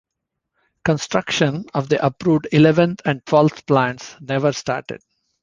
Construction of the approved eleventh and twelfth plants never started.